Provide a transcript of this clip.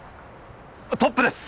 トップです！